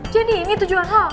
jadi ini tujuan hal